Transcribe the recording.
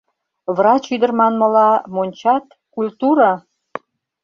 Врач ӱдыр манмыла, мончат — культура!